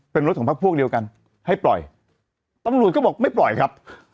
เป็นรถของพักพวกเดียวกันให้ปล่อยตำรวจก็บอกไม่ปล่อยครับ